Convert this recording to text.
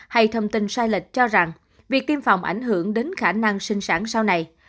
hay thông tin sai lệch cho rằng việc tiêm phòng ảnh hưởng đến khả năng sinh sản sau này